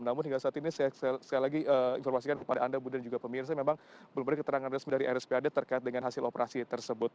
namun hingga saat ini sekali lagi informasikan kepada anda budi dan juga pemirsa memang belum ada keterangan resmi dari rspad terkait dengan hasil operasi tersebut